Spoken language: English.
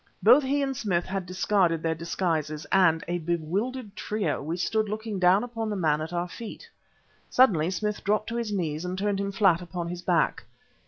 Both he and Smith had discarded their disguises; and, a bewildered trio, we stood looking down upon the man at our feet. Suddenly Smith dropped to his knees and turned him flat upon his back.